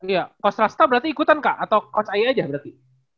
iya coach rasta berarti ikutan kak atau coach ai aja berarti